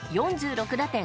４６打点。